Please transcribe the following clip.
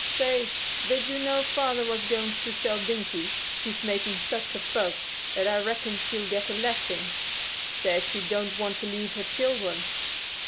Say, did you know Father was going to sell Dinkie; she's making such a fuss that I reckon she'll get a lashing; says she don't want to leave her children."